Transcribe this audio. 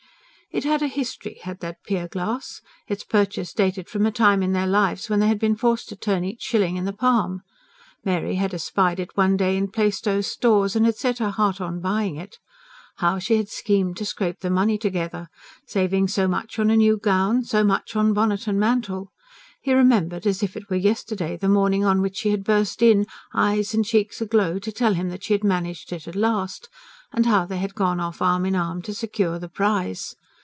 It had a history had that pier glass; its purchase dated from a time in their lives when they had been forced to turn each shilling in the palm. Mary had espied it one day in Plaistows' Stores, and had set her heart on buying it. How she had schemed to scrape the money together! saving so much on a new gown, so much on bonnet and mantle. He remembered, as if it were yesterday, the morning on which she had burst in, eyes and cheeks aglow, to tell him that she had managed it at last, and how they had gone off arm in arm to secure the prize.